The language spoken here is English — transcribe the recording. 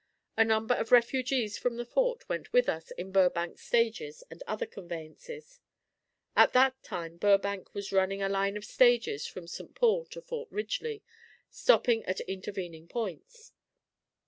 A number of refugees from the fort went with us in Burbank's stages and other conveyances. At that time Burbank was running a line of stages from St. Paul to Fort Ridgely, stopping at intervening points.